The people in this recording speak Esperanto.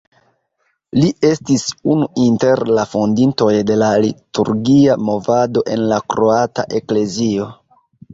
Li estis unu inter la fondintoj de la liturgia movado en la kroata Eklezio.